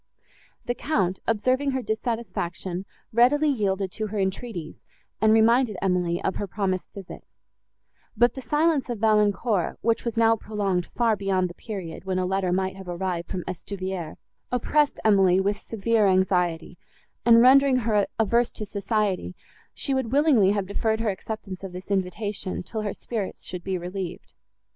The Count, observing her dissatisfaction, readily yielded to her entreaties, and reminded Emily of her promised visit; but the silence of Valancourt, which was now prolonged far beyond the period, when a letter might have arrived from Estuvière, oppressed Emily with severe anxiety, and, rendering her averse to society, she would willingly have deferred her acceptance of this invitation, till her spirits should be relieved.